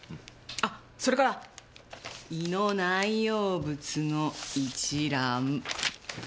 あっそれから胃の内容物の一覧。